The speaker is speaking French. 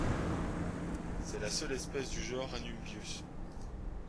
C'est la seule espèce du genre Anumbius.